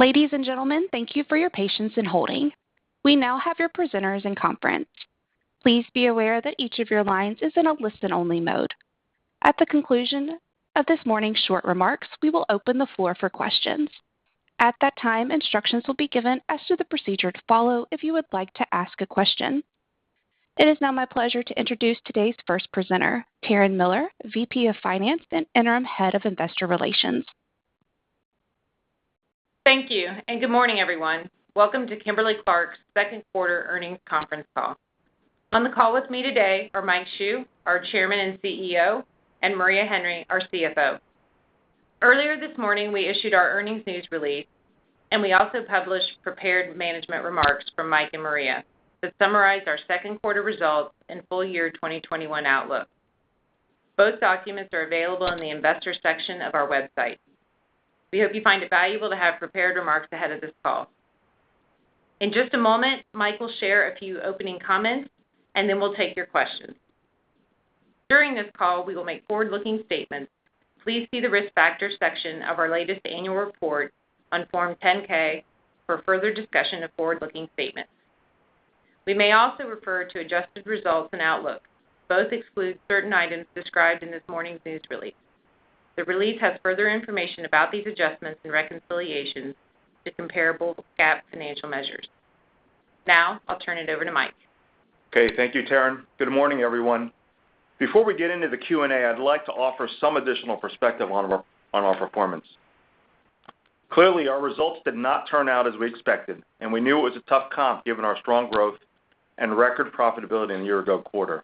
Ladies and gentlemen, thank you for your patience in holding. We now have your presenters in conference. Please be aware that each of your lines is in a listen-only mode. At the conclusion of this morning's short remarks, we will open the floor for questions. At that time, instructions will be given as to the procedure to follow if you would like to ask a question. It is now my pleasure to introduce today's first presenter, Taryn Miller, VP of Finance and Interim Head of Investor Relations. Thank you. Good morning, everyone. Welcome to Kimberly-Clark's second quarter earnings conference call. On the call with me today are Mike Hsu, our Chairman and CEO, and Maria Henry, our CFO. Earlier this morning, we issued our earnings news release. We also published prepared management remarks from Mike and Maria that summarize our second quarter results and full year 2021 outlook. Both documents are available in the investor section of our website. We hope you find it valuable to have prepared remarks ahead of this call. In just a moment, Mike will share a few opening comments. Then we'll take your questions. During this call, we will make forward-looking statements. Please see the Risk Factors section of our latest annual report on Form 10-K for further discussion of forward-looking statements. We may also refer to adjusted results and outlooks. Both exclude certain items described in this morning's news release. The release has further information about these adjustments and reconciliations to comparable GAAP financial measures. Now, I'll turn it over to Mike. Okay. Thank you, Taryn. Good morning, everyone. Before we get into the Q&A, I'd like to offer some additional perspective on our performance. Clearly, our results did not turn out as we expected, and we knew it was a tough comp given our strong growth and record profitability in the year-ago quarter.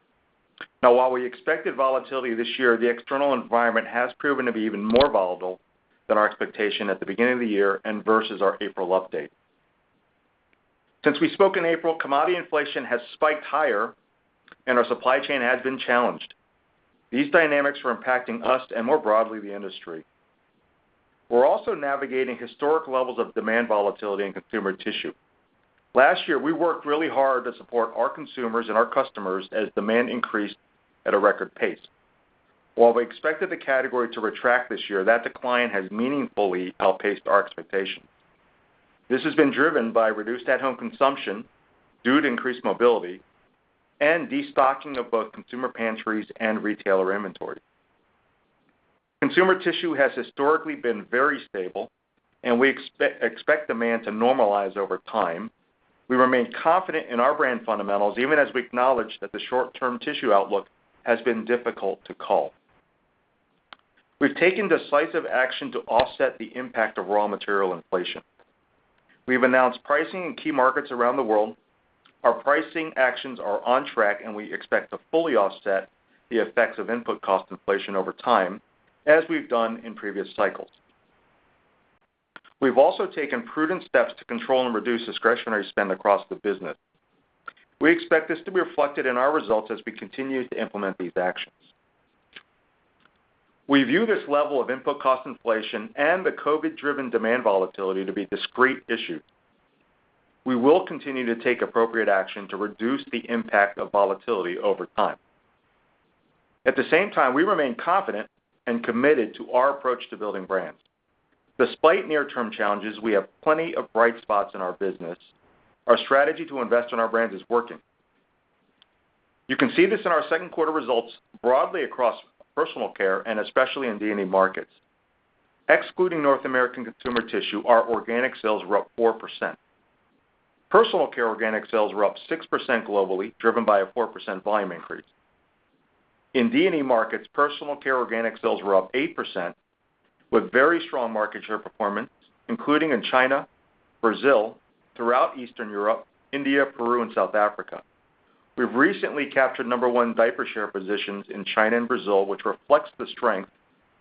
Now while we expected volatility this year, the external environment has proven to be even more volatile than our expectation at the beginning of the year and versus our April update. Since we spoke in April, commodity inflation has spiked higher, and our supply chain has been challenged. These dynamics are impacting us and, more broadly, the industry. We're also navigating historic levels of demand volatility in consumer tissue. Last year, we worked really hard to support our consumers and our customers as demand increased at a record pace. While we expected the category to retract this year, that decline has meaningfully outpaced our expectations. This has been driven by reduced at-home consumption due to increased mobility and destocking of both consumer pantries and retailer inventory. Consumer tissue has historically been very stable, and we expect demand to normalize over time. We remain confident in our brand fundamentals, even as we acknowledge that the short-term tissue outlook has been difficult to call. We've taken decisive action to offset the impact of raw material inflation. We've announced pricing in key markets around the world. Our pricing actions are on track, and we expect to fully offset the effects of input cost inflation over time, as we've done in previous cycles. We've also taken prudent steps to control and reduce discretionary spend across the business. We expect this to be reflected in our results as we continue to implement these actions. We view this level of input cost inflation and the COVID-driven demand volatility to be discrete issues. We will continue to take appropriate action to reduce the impact of volatility over time. At the same time, we remain confident and committed to our approach to building brands. Despite near-term challenges, we have plenty of bright spots in our business. Our strategy to invest in our brand is working. You can see this in our second quarter results broadly across personal care and especially in D&E markets. Excluding North American consumer tissue, our organic sales were up 4%. Personal care organic sales were up 6% globally, driven by a 4% volume increase. In D&E markets, personal care organic sales were up 8% with very strong market share performance, including in China, Brazil, throughout Eastern Europe, India, Peru, and South Africa. We've recently captured number one diaper share positions in China and Brazil, which reflects the strength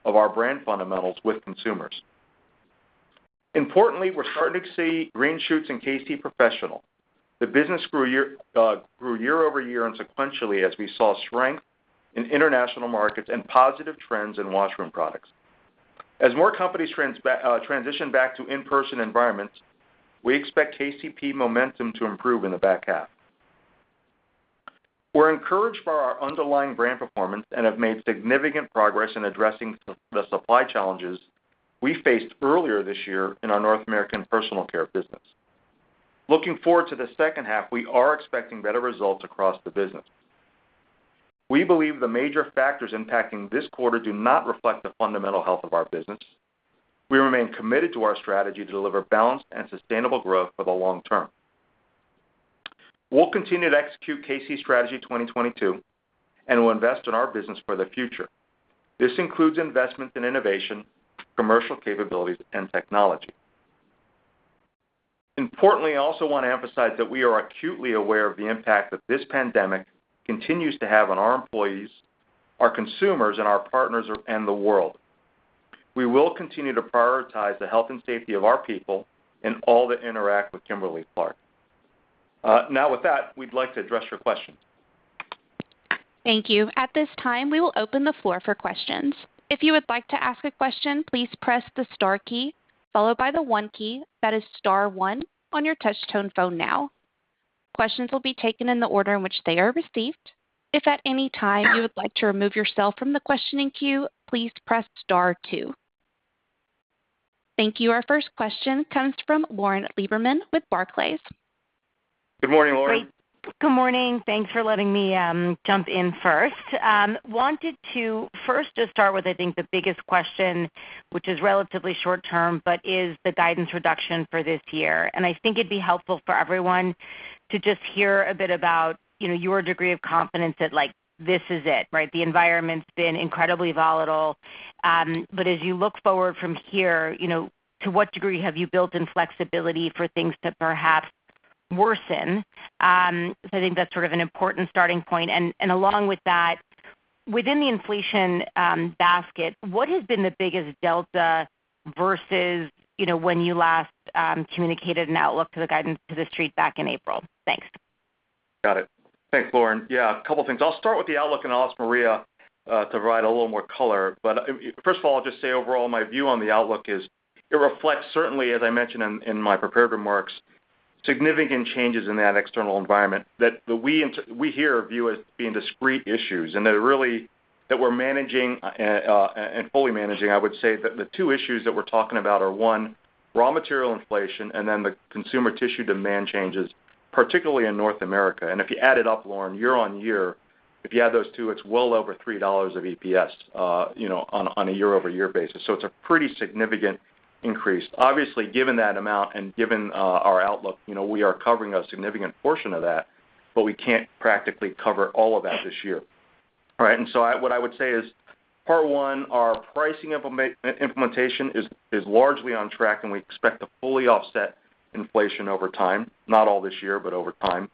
of our brand fundamentals with consumers. Importantly, we're starting to see green shoots in K-C Professional. The business grew year-over-year and sequentially as we saw strength in international markets and positive trends in washroom products. As more companies transition back to in-person environments, we expect KCP momentum to improve in the back half. We're encouraged by our underlying brand performance and have made significant progress in addressing the supply challenges we faced earlier this year in our North American personal care business. Looking forward to the second half, we are expecting better results across the business. We believe the major factors impacting this quarter do not reflect the fundamental health of our business. We remain committed to our strategy to deliver balanced and sustainable growth for the long term. We'll continue to execute K-C Strategy 2022, and we'll invest in our business for the future. This includes investments in innovation, commercial capabilities, and technology. Importantly, I also want to emphasize that we are acutely aware of the impact that this pandemic continues to have on our employees, our consumers, and our partners, and the world. We will continue to prioritize the health and safety of our people and all that interact with Kimberly-Clark. Now with that, we'd like to address your questions. Thank you. At this time, we will open the floor for questions. If you would like to ask a question, please press the star key, followed by the one key, that is star one, on your touch-tone phone now. Questions will be taken in the order in which they are received. If at any time you would like to remove yourself from the questioning queue, please press star two. Thank you. Our first question comes from Lauren Lieberman with Barclays. Good morning, Lauren. Good morning. Thanks for letting me jump in first. I wanted to first just start with I think the biggest question, which is relatively short-term, but is the guidance reduction for this year. I think it'd be helpful for everyone to just hear a bit about your degree of confidence that this is it, right? The environment's been incredibly volatile. As you look forward from here, to what degree have you built in flexibility for things to perhaps worsen? I think that's sort of an important starting point. Along with that, within the inflation basket, what has been the biggest delta versus when you last communicated an outlook to the guidance to the Street back in April? Thanks. Got it. Thanks, Lauren. Yeah, a couple of things. I'll start with the outlook, and I'll ask Maria to provide a little more color. First of all, I'll just say overall, my view on the outlook is it reflects, certainly as I mentioned in my prepared remarks, significant changes in that external environment that we here view as being discrete issues, and that we're managing, and fully managing I would say. The two issues that we're talking about are, one, raw material inflation, and then the consumer tissue demand changes, particularly in North America. If you add it up, Lauren, year-over-year, if you add those two, it's well over $3 of EPS on a year-over-year basis. It's a pretty significant increase. Obviously, given that amount and given our outlook, we are covering a significant portion of that, but we can't practically cover all of that this year. All right, what I would say is, part one, our pricing implementation is largely on track, and we expect to fully offset inflation over time, not all this year, but over time.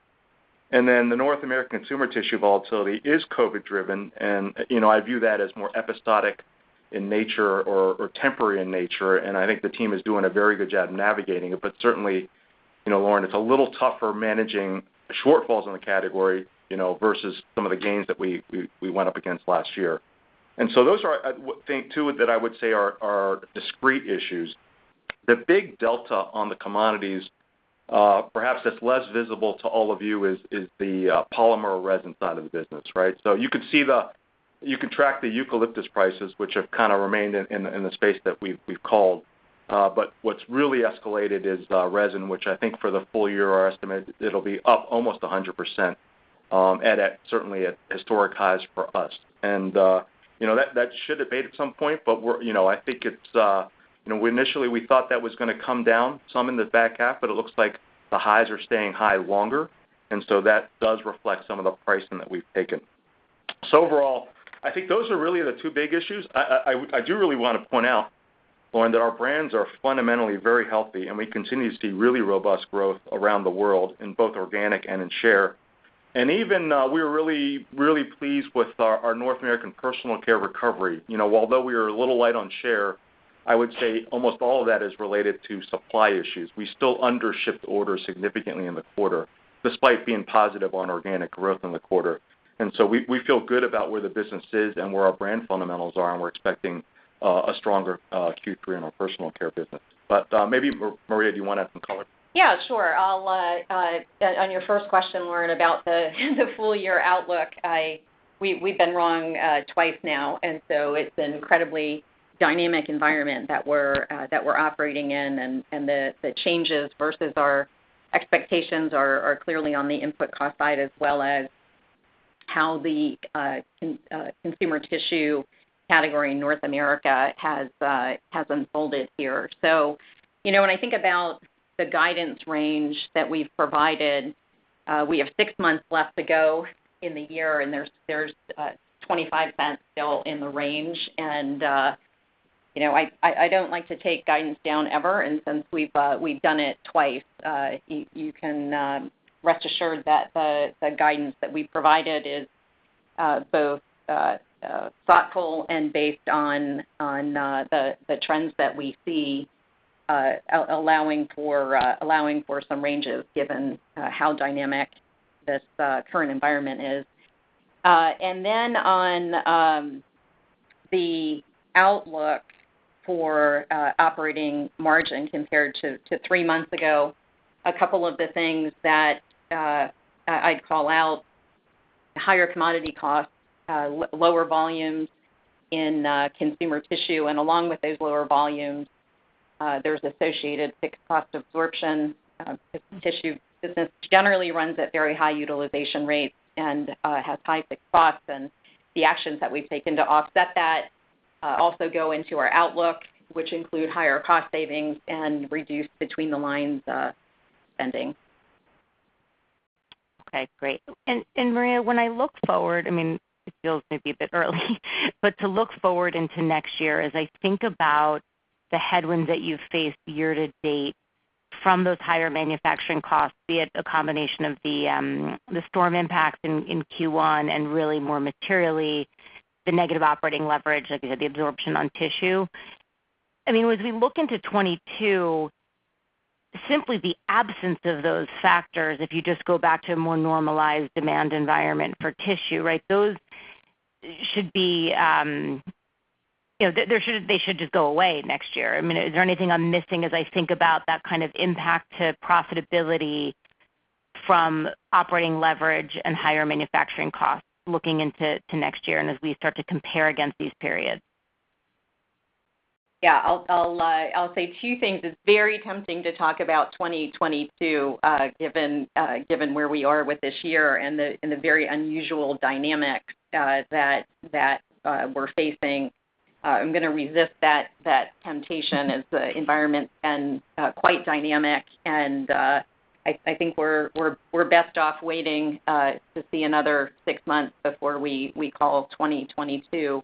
The North American consumer tissue volatility is COVID-driven, and I view that as more episodic in nature or temporary in nature, and I think the team is doing a very good job navigating it. Certainly, Lauren, it's a little tougher managing shortfalls in the category versus some of the gains that we went up against last year. Those are, I think, two that I would say are discrete issues. The big delta on the commodities, perhaps that's less visible to all of you, is the polymer resin side of the business, right? You can track the eucalyptus prices, which have kind of remained in the space that we've called. What's really escalated is resin, which I think for the full year, our estimate, it'll be up almost 100%, and at certainly at historic highs for us. That should abate at some point, but initially, we thought that was going to come down some in the back half, but it looks like the highs are staying high longer. That does reflect some of the pricing that we've taken. Overall, I think those are really the two big issues. I do really want to point out, Lauren, that our brands are fundamentally very healthy, and we continue to see really robust growth around the world in both organic and in share. Even, we're really pleased with our North American Personal Care recovery. Although we are a little light on share, I would say almost all of that is related to supply issues. We still under shipped orders significantly in the quarter, despite being positive on organic growth in the quarter. So we feel good about where the business is and where our brand fundamentals are, and we're expecting a stronger Q3 in our Personal Care business. Maybe, Maria, do you want to add some color? Yeah, sure. On your first question, Lauren, about the full-year outlook, we've been wrong twice now. It's an incredibly dynamic environment that we're operating in, the changes versus our expectations are clearly on the input cost side, as well as how the consumer tissue category in North America has unfolded here. When I think about the guidance range that we've provided, we have six months left to go in the year, there's $0.25 still in the range. I don't like to take guidance down ever. Since we've done it twice, you can rest assured that the guidance that we provided is both thoughtful and based on the trends that we see, allowing for some ranges given how dynamic this current environment is. Then on the outlook for operating margin compared to 3 months ago, a couple of things that I'd call out, higher commodity costs, lower volumes in consumer tissue, and along with those lower volumes, there's associated fixed cost absorption. Tissue business generally runs at very high utilization rates and has high fixed costs. The actions that we've taken to offset that also go into our outlook, which include higher cost savings and reduced between the line spending. Okay, great. Maria, when I look forward, it feels maybe a bit early, but to look forward into next year, as I think about the headwinds that you've faced year-to-date from those higher manufacturing costs, be it a combination of the storm impact in Q1 and, really more materially, the negative operating leverage, like you said, the absorption on tissue. As we look into 2022, simply the absence of those factors, if you just go back to a more normalized demand environment for tissue, they should just go away next year. Is there anything I'm missing as I think about that kind of impact to profitability from operating leverage and higher manufacturing costs, looking into next year and as we start to compare against these periods? Yeah. I'll say two things. It's very tempting to talk about 2022, given where we are with this year and the very unusual dynamic that we're facing. I'm going to resist that temptation as the environment's been quite dynamic, and I think we're best-off waiting to see another six months before we call 2022,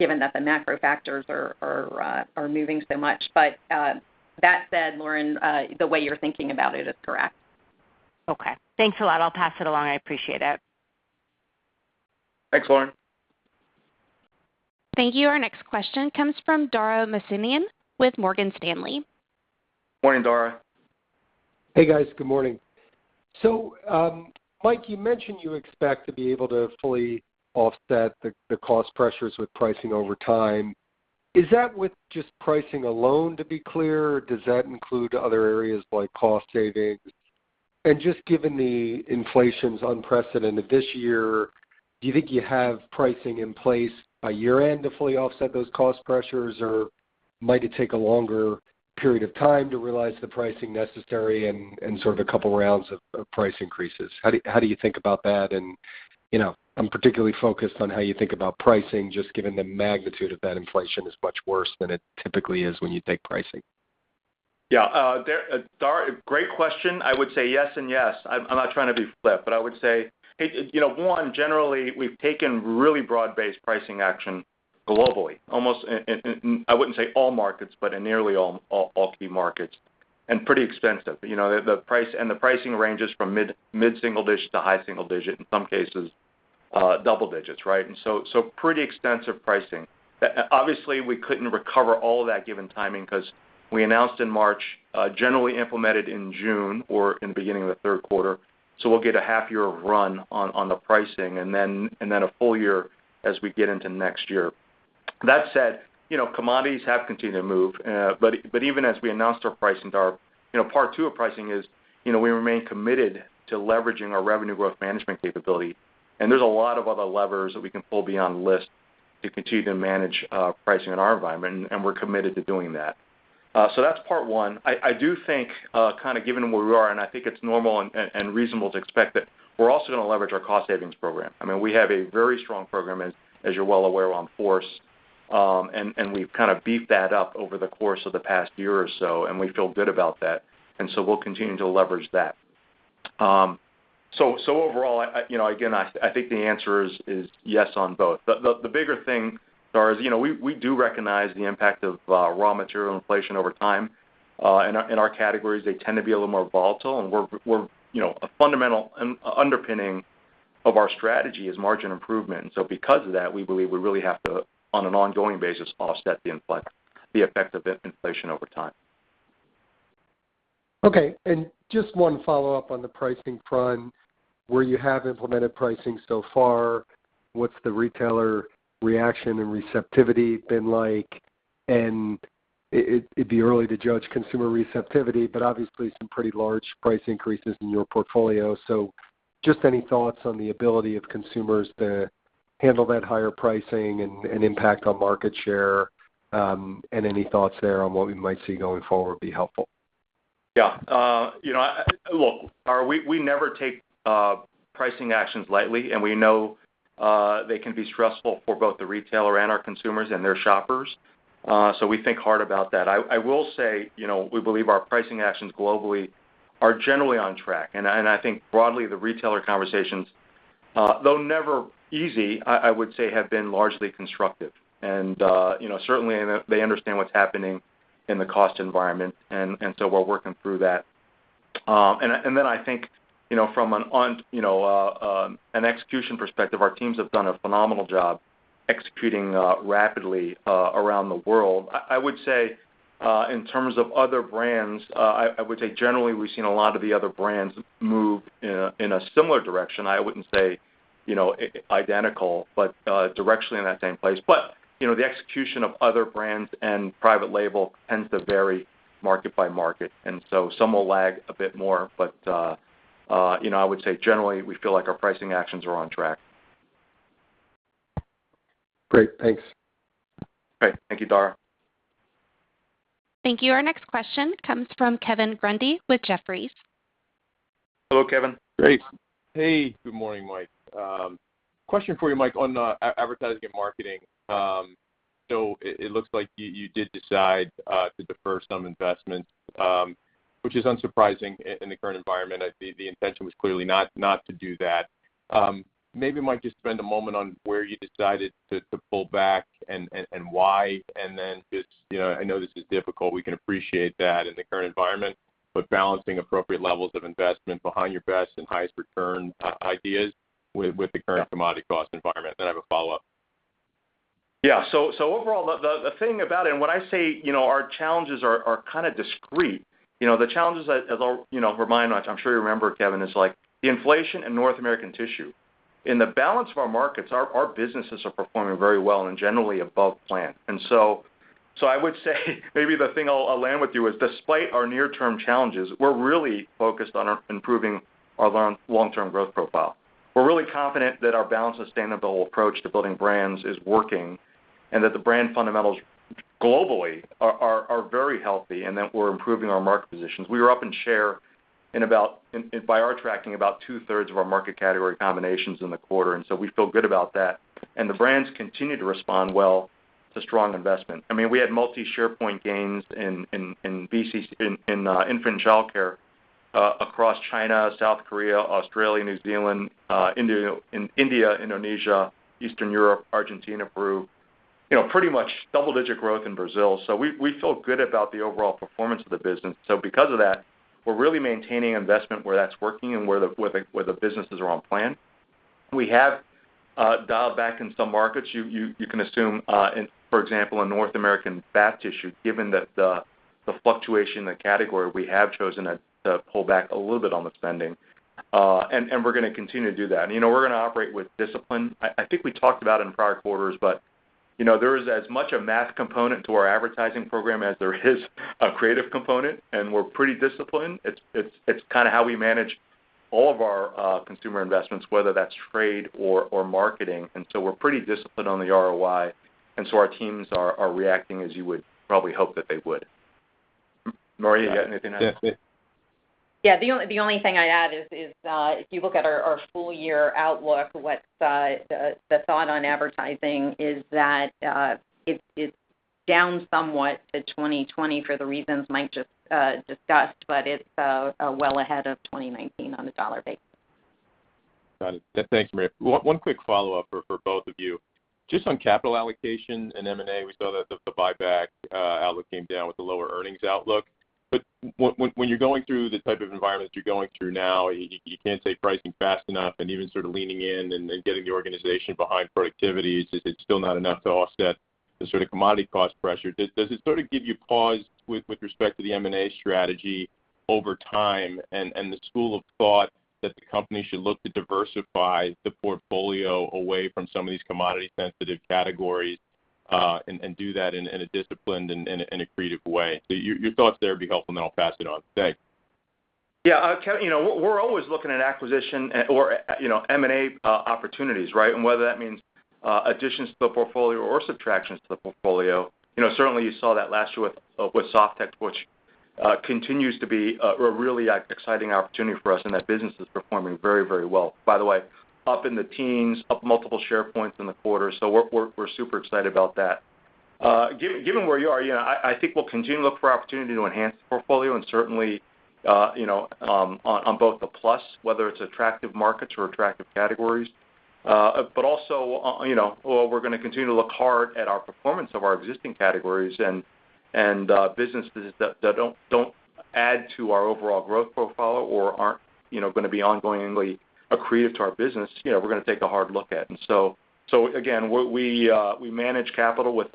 given that the macro factors are moving so much. That said, Lauren, the way you're thinking about it is correct. Okay. Thanks a lot. I'll pass it along. I appreciate it. Thanks, Lauren. Thank you. Our next question comes from Dara Mohsenian with Morgan Stanley. Morning, Dara. Hey, guys. Good morning. Mike, you mentioned you expect to be able to fully offset the cost pressures with pricing over time. Is that with just pricing alone, to be clear, or does that include other areas like cost savings? Just given the inflation's unprecedented this year, do you think you have pricing in place by year-end to fully offset those cost pressures, or might it take a longer period of time to realize the pricing necessary and sort of a couple of rounds of price increases? How do you think about that? I'm particularly focused on how you think about pricing, just given the magnitude of that inflation is much worse than it typically is when you take pricing. Dara, great question. I would say yes, and yes. I'm not trying to be flip, but I would say, one, generally, we've taken really broad-based pricing action globally. I wouldn't say all markets, but in nearly all key markets, and pretty extensive. The pricing ranges from mid single-digit to high single-digit, in some cases, double digits. Pretty extensive pricing. Obviously, we couldn't recover all of that given timing because we announced in March, generally implemented in June or in the beginning of the third quarter, so we'll get a half year of run on the pricing, and then a full year as we get into next year. That said, commodities have continued to move. Even as we announced our pricing, Dara, part two of pricing is we remain committed to leveraging our revenue growth management capability. There's a lot of other levers that we can pull beyond list to continue to manage pricing in our environment, and we're committed to doing that. That's part one. I do think, kind of given where we are, and I think it's normal and reasonable to expect that we're also going to leverage our cost savings program. We have a very strong program as you're well aware, in force. We've kind of beefed that up over the course of the past year or so, and we feel good about that. We'll continue to leverage that. Overall, again, I think the answer is yes on both. The bigger thing, Dara, is we do recognize the impact of raw material inflation over time. In our categories, they tend to be a little more volatile, and a fundamental underpinning of our strategy is margin improvement. Because of that, we believe we really have to, on an ongoing basis, offset the effect of inflation over time. Okay. Just one follow-up on the pricing front. Where you have implemented pricing so far, what's the retailer reaction and receptivity been like? It'd be early to judge consumer receptivity, but obviously some pretty large price increases in your portfolio. Just any thoughts on the ability of consumers to handle that higher pricing and impact on market share, and any thoughts there on what we might see going forward would be helpful. Yeah. Look, Dara, we never take pricing actions lightly, and we know they can be stressful for both the retailer and our consumers and their shoppers. We think hard about that. I will say, we believe our pricing actions globally are generally on track. I think broadly, the retailer conversations, though never easy, I would say, have been largely constructive. Certainly, they understand what's happening in the cost environment, and so we're working through that. I think from an execution perspective, our teams have done a phenomenal job executing rapidly around the world. I would say in terms of other brands, I would say generally we've seen a lot of the other brands move in a similar direction. I wouldn't say identical, but directionally in that same place. The execution of other brands and private label tends to vary market by market. Some will lag a bit more. I would say generally, we feel like our pricing actions are on track. Great. Thanks. Great. Thank you, Dara. Thank you. Our next question comes from Kevin Grundy with Jefferies. Hello, Kevin. Great. Hey, good morning, Mike. Question for you, Mike, on advertising and marketing. It looks like you did decide to defer some investments, which is unsurprising in the current environment. I think the intention was clearly not to do that. Maybe, Mike, just spend a moment on where you decided to pull back and why, and then just, I know this is difficult. We can appreciate that in the current environment, balancing appropriate levels of investment behind your best and highest return ideas with the current commodity cost environment. I have a follow-up. Overall, the thing about it, and when I say our challenges are kind of discrete. The challenges, as I'll remind, I'm sure you remember, Kevin, is like the inflation in North American tissue. In the balance of our markets, our businesses are performing very well and generally above plan. I would say maybe the thing I'll land with you is, despite our near-term challenges, we're really focused on improving our long-term growth profile. We're really confident that our balanced, sustainable approach to building brands is working, and that the brand fundamentals globally are very healthy, and that we're improving our market positions. We were up in share in about, by our tracking, about 2/3 of our market category combinations in the quarter, and so we feel good about that. The brands continue to respond well to strong investment. We had multi share point gains in infant childcare, across China, South Korea, Australia, New Zealand, India, Indonesia, Eastern Europe, Argentina, Peru. Pretty much double-digit growth in Brazil. We feel good about the overall performance of the business. Because of that, we're really maintaining investment where that's working and where the businesses are on plan. We have dialed back in some markets. You can assume, for example, in North American bath tissue, given the fluctuation in the category, we have chosen to pull back a little bit on the spending. We're going to continue to do that. We're going to operate with discipline. I think we talked about in prior quarters, but there is as much a math component to our advertising program as there is a creative component, and we're pretty disciplined. It's kind of how we manage all of our consumer investments, whether that's trade or marketing. We're pretty disciplined on the ROI. Our teams are reacting as you would probably hope that they would. Maria, you got anything to add? Yeah, please. Yeah, the only thing I'd add is, if you look at our full year outlook, the thought on advertising is that, it's down somewhat to 2020 for the reasons Mike just discussed, but it's well ahead of 2019 on a dollar basis. Got it. Thanks, Maria. One quick follow-up for both of you. Just on capital allocation and M&A, we saw that the buyback outlook came down with the lower earnings outlook. When you're going through the type of environment you're going through now, you can't say pricing fast enough and even sort of leaning in and getting the organization behind productivity. Is it still not enough to offset the sort of commodity cost pressure? Does it sort of give you pause with respect to the M&A strategy over time, and the school of thought that the company should look to diversify the portfolio away from some of these commodity-sensitive categories, and do that in a disciplined and accretive way? Your thoughts there would be helpful, and then I'll pass it on. Thanks. Kevin, we're always looking at acquisition or M&A opportunities, right? Whether that means additions to the portfolio or subtractions to the portfolio. Certainly, you saw that last year with Softex, which continues to be a really exciting opportunity for us, and that business is performing very well. By the way, up in the teens, up multiple share points in the quarter. We're super excited about that. Given where you are, I think we'll continue to look for opportunity to enhance the portfolio and certainly, on both the plus, whether it's attractive markets or attractive categories. Also, we're going to continue to look hard at our performance of our existing categories and businesses that don't add to our overall growth profile or aren't going to be ongoingly accretive to our business, we're going to take a hard look at. Again, we manage capital with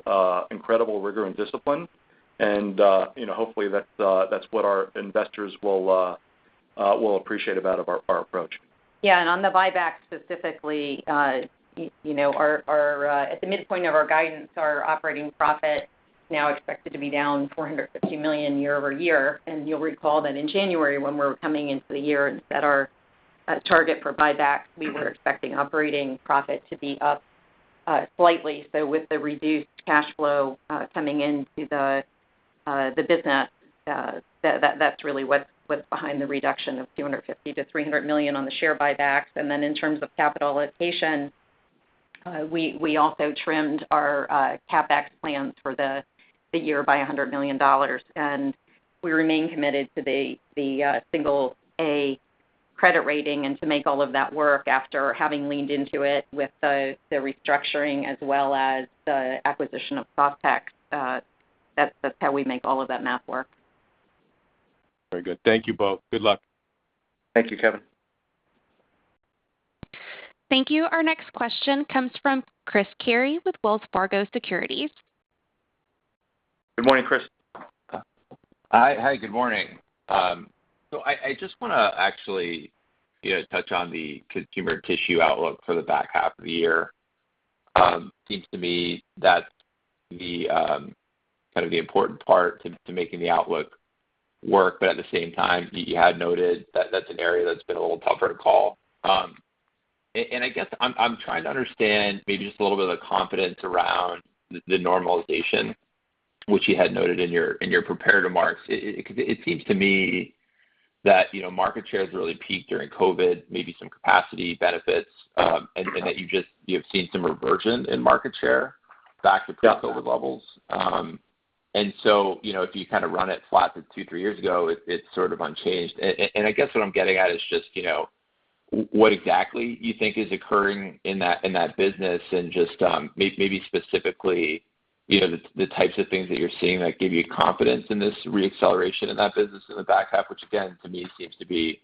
incredible rigor and discipline and hopefully, that's what our investors will appreciate about our approach. Yeah, on the buyback specifically, at the midpoint of our guidance, our operating profit now expected to be down $450 million year-over-year. You'll recall that in January when we were coming into the year and set our target for buybacks, we were expecting operating profit to be up slightly. With the reduced cash flow coming into the business, that's really what's behind the reduction of $250 million-$300 million on the share buybacks. In terms of capitalization, we also trimmed our CapEx plans for the year by $100 million. We remain committed to the single-A credit rating and to make all of that work after having leaned into it with the restructuring as well as the acquisition of Softex. That's how we make all of that math work. Very good. Thank you both. Good luck. Thank you, Kevin. Thank you. Our next question comes from Chris Carey with Wells Fargo Securities. Good morning, Chris. Hi. Good morning. I just want to actually touch on the consumer tissue outlook for the back half of the year. Seems to me that's kind of the important part of making the outlook work. At the same time, you had noted that that's an area that's been a little tougher to call. I guess I'm trying to understand, maybe just a little bit of the confidence around the normalization, which you had noted in your prepared remarks. It seems to me that market shares really peaked during COVID, maybe some capacity benefits, and that you have seen some reversion in market share back to pre-COVID levels. If you kind of run it flat to two, three years ago, it's sort of unchanged. I guess what I'm getting at is just, what exactly you think is occurring in that business, and just, maybe specifically, the types of things that you're seeing that give you confidence in this re-acceleration in that business in the back half, which again, to me seems to be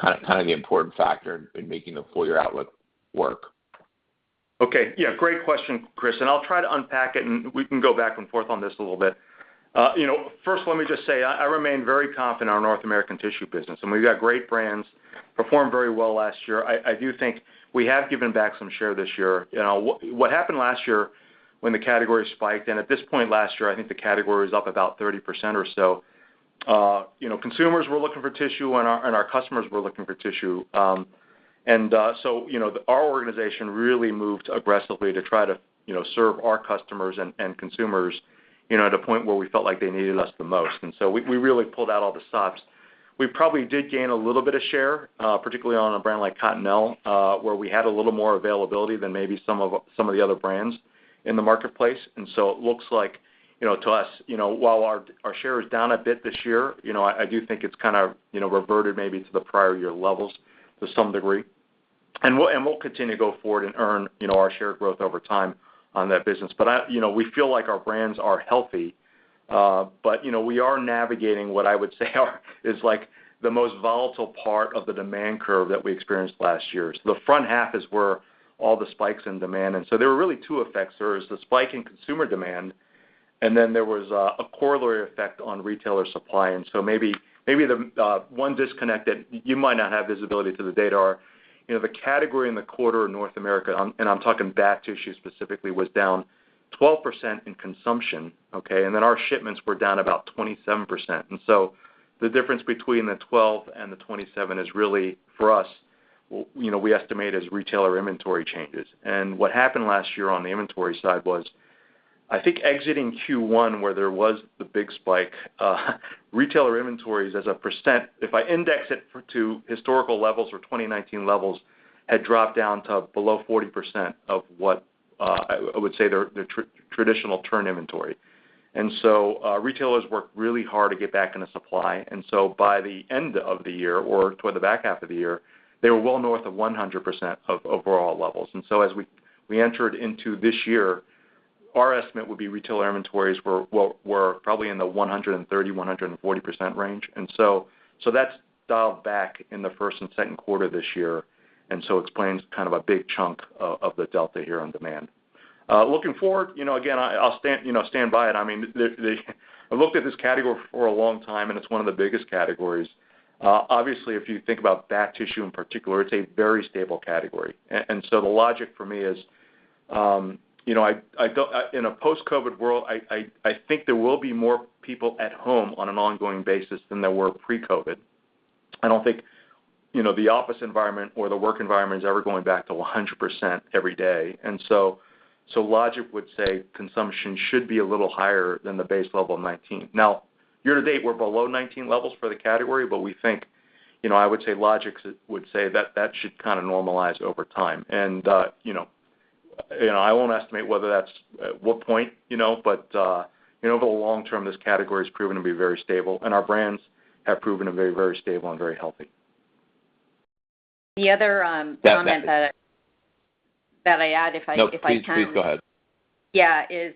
kind of the important factor in making the full year outlook work. Okay. Yeah, great question, Chris, I'll try to unpack it, and we can go back and forth on this a little bit. First, let me just say, I remain very confident in our North American tissue business, and we've got great brands, performed very well last year. I do think we have given back some share this year. What happened last year when the category spiked, and at this point last year, I think the category was up about 30% or so, consumers were looking for tissue, and our customers were looking for tissue. Our organization really moved aggressively to try to serve our customers and consumers at a point where we felt like they needed us the most. We really pulled out all the stops. We probably did gain a little bit of share, particularly on a brand like Cottonelle, where we had a little more availability than maybe some of the other brands in the marketplace. It looks like to us, while our share is down a bit this year, I do think it's kind of reverted maybe to the prior year levels to some degree. We'll continue to go forward and earn our share growth over time on that business. We feel like our brands are healthy. We are navigating what I would say is the most volatile part of the demand curve that we experienced last year. The front half is where all the spikes in demand. There were really two effects. There was the spike in consumer demand, and then there was a corollary effect on retailer supply. Maybe the one disconnect that you might not have visibility to the data are the category in the quarter in North America, and I'm talking bath tissue specifically, was down 12% in consumption. Okay. Our shipments were down about 27%. The difference between the 12 and the 27 is really, for us, we estimate as retailer inventory changes. What happened last year on the inventory side was, I think, exiting Q1, where there was the big spike, retailer inventories as a percent, if I index it to historical levels or 2019 levels, had dropped down to below 40% of what I would say their traditional turn inventory. Retailers worked really hard to get back into supply. By the end of the year or toward the back half of the year, they were well north of 100% of overall levels. As we entered into this year, our estimate would be retailer inventories were probably in the 130%-140% range. That's dialed back in the first and second quarter this year, explains kind of a big chunk of the delta here on demand. Looking forward, again, I'll stand by it. I've looked at this category for a long time, and it's one of the biggest categories. Obviously, if you think about bath tissue in particular, it's a very stable category. The logic for me is, in a post-COVID world, I think there will be more people at home on an ongoing basis than there were pre-COVID. I don't think the office environment or the work environment is ever going back to 100% every day. Logic would say consumption should be a little higher than the base level of 2019. Year to date, we're below 2019 levels for the category, but we think, I would say logic would say that that should kind of normalize over time. I won't estimate whether that's at what point, but over the long term, this category has proven to be very stable, and our brands have proven to be very stable and very healthy. The other comment- Yeah -that I add if I can. No, please go ahead. Is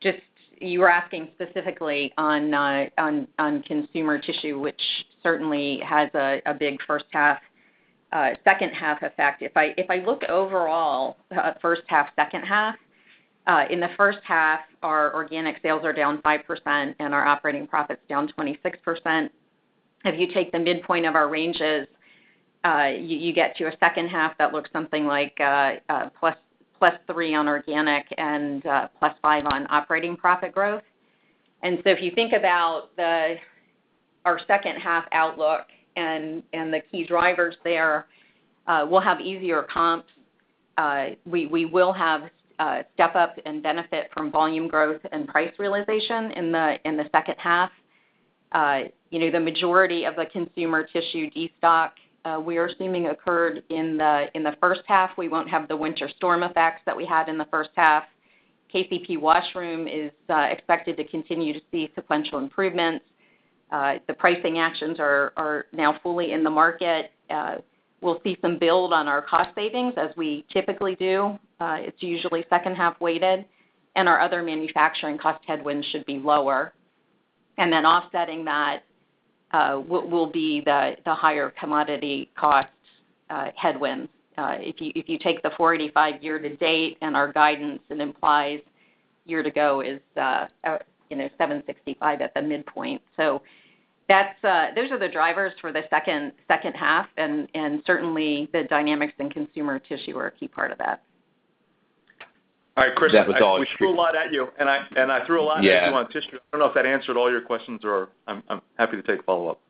just you were asking specifically on consumer tissue, which certainly has a big first half, second half effect. If I look overall at first half, second half, in the first half, our organic sales are down 5% and our operating profit's down 26%. If you take the midpoint of our ranges, you get to a second half that looks something like +3% on organic and +5% on operating profit growth. If you think about our second half outlook and the key drivers there, we'll have easier comps. We will have a step up and benefit from volume growth and price realization in the second half. The majority of the consumer tissue de-stock, we are assuming occurred in the first half. We won't have the winter storm effects that we had in the first half. KCP washroom is expected to continue to see sequential improvements. The pricing actions are now fully in the market. We'll see some build on our cost savings as we typically do. It's usually second half weighted, and our other manufacturing cost headwinds should be lower. Offsetting that will be the higher commodity costs headwind. If you take the $485 year to date and our guidance, it implies year to go is $765 at the midpoint. Those are the drivers for the second half, and certainly, the dynamics in consumer tissue are a key part of that. All right, Chris. That was all. We threw a lot at you, and I threw a lot- Yeah -at you on tissue. I don't know if that answered all your questions, or I'm happy to take a follow-up.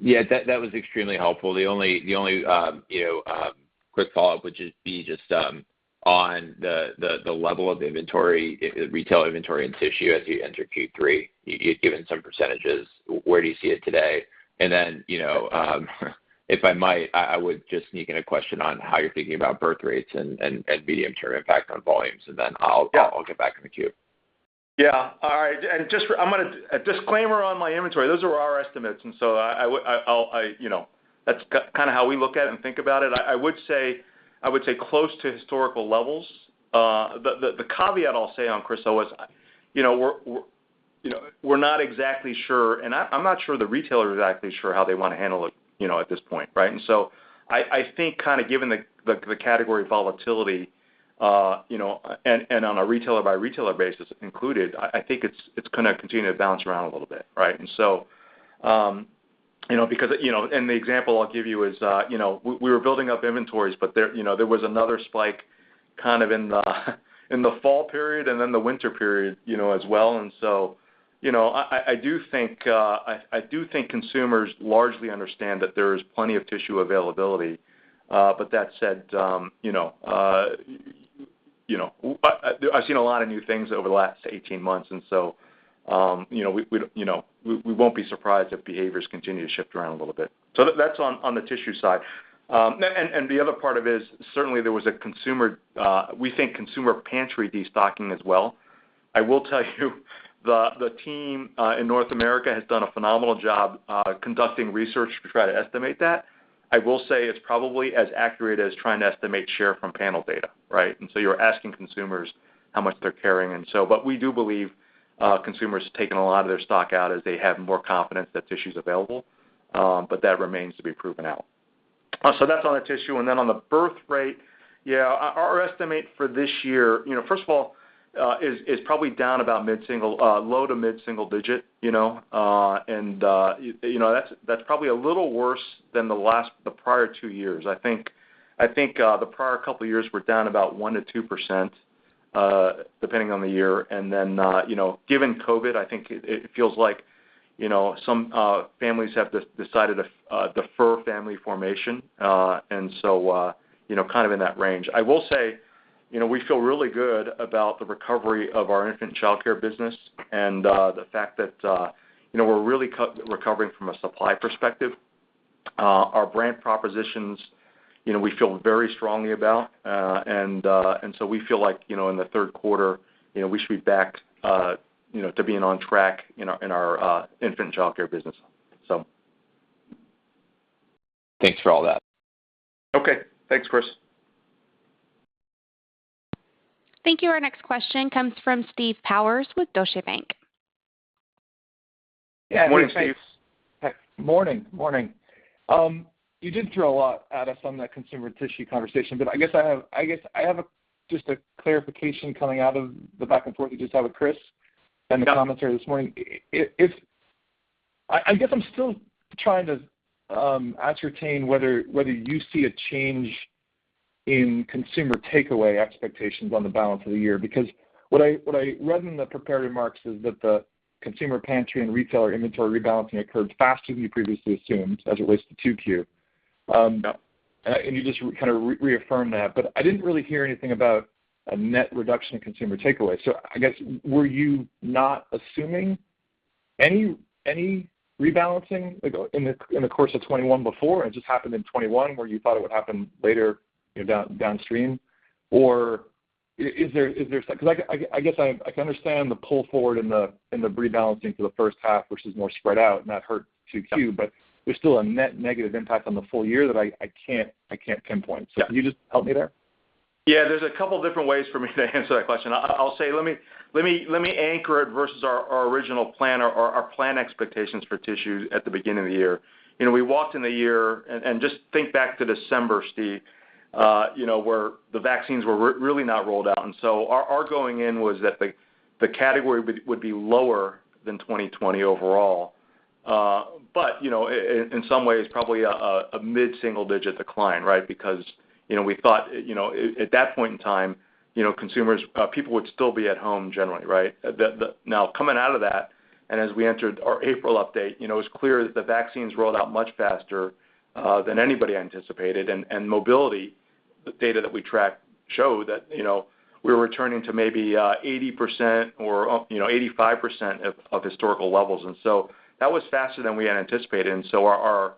Yeah, that was extremely helpful. The only quick follow-up would just be on the level of the inventory, retail inventory, and tissue as you enter Q3. You had given some percentages. Where do you see it today? If I might, I would just sneak in a question on how you're thinking about birth rates and medium-term impact on volumes? Yeah I will get back in the queue. Yeah. All right. A disclaimer on my inventory, those are our estimates, and so that's kind of how we look at it and think about it. I would say close to historical levels. The caveat I'll say on, Chris, though, is. We're not exactly sure, and I'm not sure the retailer is actually sure how they want to handle it, at this point. Right? I think kind of given the category volatility, and on a retailer-by-retailer basis included, I think it's going to continue to bounce around a little bit. Right? The example I'll give you is, we were building up inventories, but there was another spike kind of in the fall period and then the winter period, as well. I do think consumers largely understand that there is plenty of tissue availability. That said, I've seen a lot of new things over the last 18 months, we won't be surprised if behaviors continue to shift around a little bit. That's on the tissue side. The other part of it is, certainly, there was, we think, consumer pantry de-stocking as well. I will tell you the team in North America has done a phenomenal job conducting research to try to estimate that. I will say it's probably as accurate as trying to estimate share from panel data, right? You're asking consumers how much they're carrying and so on. We do believe consumers have taken a lot of their stock out as they have more confidence that tissue's available. That remains to be proven out. That's on the tissue, and then on the birth rate, yeah, our estimate for this year, first of all, is probably down about low to mid single-digit. That's probably a little worse than the prior two years. I think the prior couple of years were down about 1%-2%, depending on the year. Given COVID, I think it feels like some families have decided to defer family formation. Kind of in that range. I will say, we feel really good about the recovery of our infant childcare business and the fact that we're really recovering from a supply perspective. Our brand propositions, we feel very strongly about, and so we feel like, in the third quarter, we should be back to being on track in our infant childcare business. Thanks for all that. Okay. Thanks, Chris. Thank you. Our next question comes from Steve Powers with Deutsche Bank. Morning, Steve. Hey. Morning. You did throw a lot at us on that consumer tissue conversation. I guess I have just a clarification coming out of the back and forth you just had with Chris. Yeah The commentary this morning. I guess I'm still trying to ascertain whether you see a change in consumer takeaway expectations on the balance of the year, because what I read in the prepared remarks is that the consumer pantry and retailer inventory rebalancing occurred faster than you previously assumed as it relates to 2Q. Yep. You just kind of reaffirmed that, but I didn't really hear anything about a net reduction in consumer takeaway. I guess, were you not assuming any rebalancing, like in the course of 2021 before, and it just happened in 2021, where you thought it would happen later downstream? Is there? I guess I can understand the pull forward and the rebalancing for the first half, which is more spread out, and that hurt 2Q. Yeah There's still a net negative impact on the full year that I can't pinpoint. Yeah. Can you just help me there? Yeah. There's a couple different ways for me to answer that question. I'll say, let me anchor it versus our original plan or our plan expectations for tissues at the beginning of the year. We walked in the year, and just think back to December, Steve, where the vaccines were really not rolled out. Our going in was that the category would be lower than 2020 overall. In some ways, probably a mid single-digit decline, right? Because, we thought at that point in time, people would still be at home generally. Right? Coming out of that, as we entered our April update, it was clear that the vaccines rolled out much faster than anybody anticipated, and mobility, the data that we track, shows that we were returning to maybe 80% or 85% of historical levels. That was faster than we had anticipated. Our